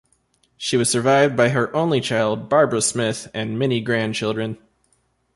She was survived by her only child Barbara Smith, and many grandchildren.